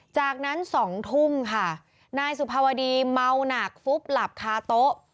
จากนั้น๒ทุ่มค่ะนายสุภาวดีเมาหนักฟุบหลับคาโต๊ะ